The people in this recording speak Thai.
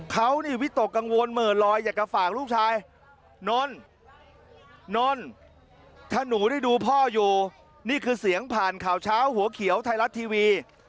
เขานี่วิตกกังวลเหม่อลอยอยากจะฝากลูกชายนนนถ้าหนูได้ดูพ่ออยู่นี่คือเสียงผ่านข่าวเช้าหัวเขียวไทยรัฐทีวี